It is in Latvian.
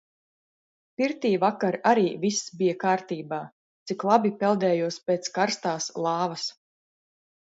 Pirtī vakar arī viss bija kārtībā, cik labi peldējos pēc karstās lāvas.